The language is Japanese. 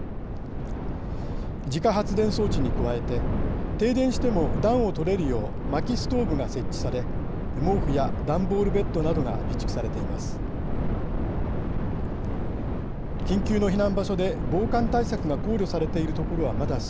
自家発電装置に加えて停電しても暖をとれるようまきストーブが設置され毛布や段ボールベッドなどが備蓄されています。